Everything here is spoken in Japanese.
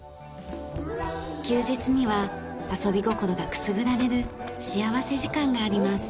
休日には遊び心がくすぐられる幸福時間があります。